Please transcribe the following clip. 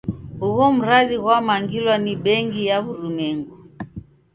Ugho mradi ghwamangilwa ni bengi ya w'urumwengu.